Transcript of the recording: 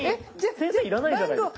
先生要らないじゃないですか。